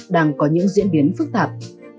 đang có những diễn biến phức tạp